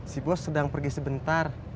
si bos sedang pergi sebentar